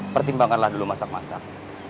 pertimbangkanlah dulu masak masak